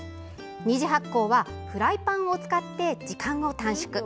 ２次発酵はフライパンを使って時間を短縮。